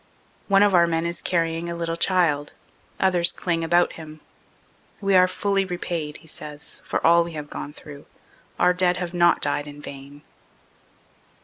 One of our men is carrying a little child; others cling about him. "We are fully repaid," he says, "for all we have gone through; our dead have not died in vain.